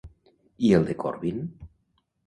I el de Corbyn?